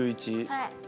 はい！